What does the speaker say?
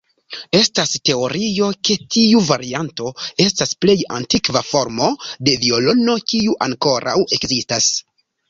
Estas teorio ke tiu varianto estas plej antikva formo de violono kiu ankoraŭ ekzistas.